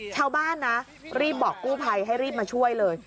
ชาวบ้านนะรีบบอกกู้ภัยให้รีบมาช่วยเลย